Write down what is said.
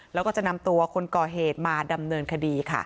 แล้วก็จะนำตัวคนก่อเหตุมาดำเนินคดีค่ะ